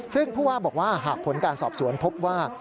ซึ่งผู้ว่าบอกว่าหากผลการสอบสวนพบว่า